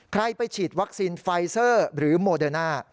ไปฉีดวัคซีนไฟเซอร์หรือโมเดอร์น่า